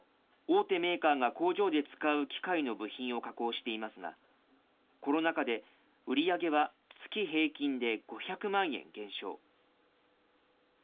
大手メーカーが工場で使う機械の部品を加工していますが、コロナ禍で売り上げは月平均で５００万円減少。